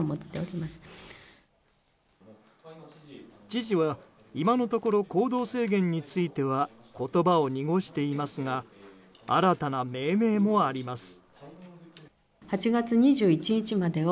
知事は、今のところ行動制限については言葉を濁していますが新たな命名もあります。